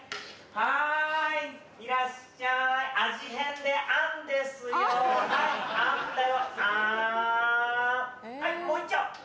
はいもういっちょ。